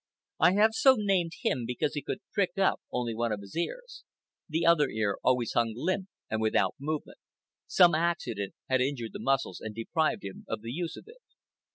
I have so named him because he could prick up only one of his ears. The other ear always hung limp and without movement. Some accident had injured the muscles and deprived him of the use of it.